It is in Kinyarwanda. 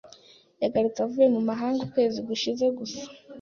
Yagarutse avuye mu mahanga ukwezi gushize gusa.